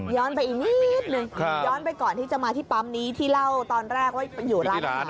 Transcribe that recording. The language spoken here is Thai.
ย้อนไปก่อนที่จะมาที่ปั๊มนี้ที่เล่าตอนแรกว่าอยู่ร้านนั้น